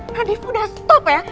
radif udah stop ya